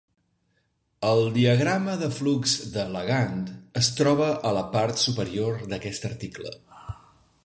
El diagrama de flux d'"Elegant" es troba a la part superior d'aquest article.